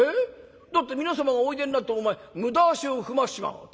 だって皆様がおいでになってお前無駄足を踏ましちまう」。